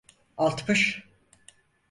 Altmış.